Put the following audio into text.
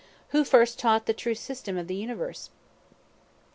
Who first taught the true system of the Universe?